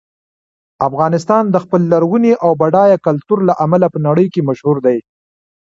افغانستان د خپل لرغوني او بډایه کلتور له امله په نړۍ کې مشهور دی.